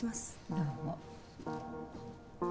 どうも。